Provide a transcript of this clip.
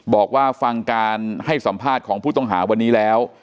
บอกว่าฟังการให้สัมภาษณ์ของผู้ต้องหาวันนี้แล้ว